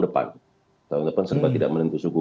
depan tahun depan serba tidak menentu suhu